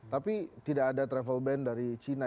tapi tidak ada travel ban dari cina